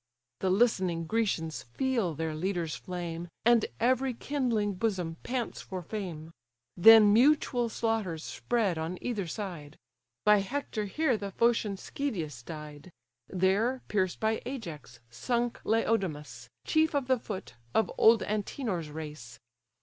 The listening Grecians feel their leader's flame, And every kindling bosom pants for fame. Then mutual slaughters spread on either side; By Hector here the Phocian Schedius died; There, pierced by Ajax, sunk Laodamas, Chief of the foot, of old Antenor's race.